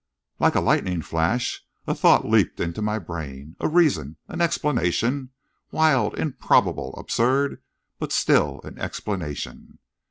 Like a lightning flash, a thought leaped into my brain a reason an explanation wild, improbable, absurd, but still an explanation!